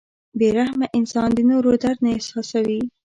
• بې رحمه انسان د نورو درد نه احساسوي.